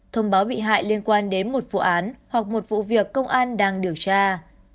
thông báo bị hại liên quan đến một vụ án hoặc một vụ việc công an đang điều tra